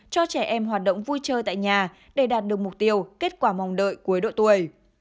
cho trẻ em hoạt động vui chơi tại nhà để đạt được mục tiêu kết quả mong đợi cuối độ tuổi